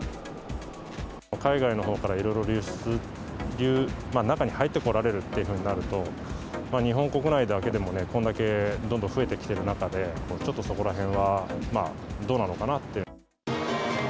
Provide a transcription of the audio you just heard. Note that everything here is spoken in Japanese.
海外のほうからいろいろ中に入ってこられるっていうふうになると、日本国内だけでもね、こんだけどんどん増えてきてる中で、ちょっとそこらへんは、どうなのかなって。